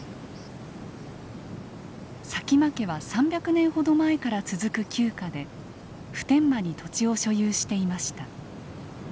佐喜眞家は３００年ほど前から続く旧家で普天間に土地を所有していました。